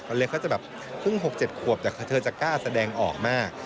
คนเล็กเขาจะแบบครึ่งหกเจ็ดขวบเธอจะกล้าแสดงออกมาก